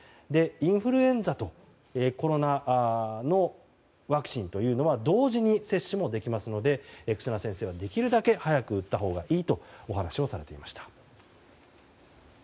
インフルエンザとコロナのワクチンというのは同時に接種もできますので忽那先生はできるだけ早く打ったほうがいいとお話をされていました。